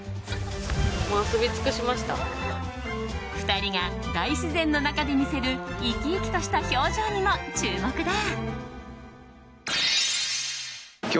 ２人が大自然の中で見せる生き生きとした表情にも注目だ。